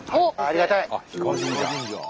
ありがたい！